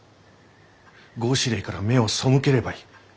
合祀令から目を背ければいい。